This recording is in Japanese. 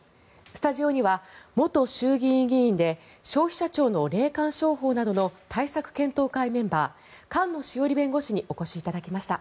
スタジオには元衆議院議員で消費者庁の霊感商法などの対策検討会メンバー菅野志桜里弁護士にお越しいただきました。